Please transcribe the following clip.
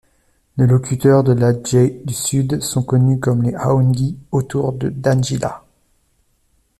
Les locuteurs de l'agew du Sud sont connus comme les Awngi, autour de Dangila.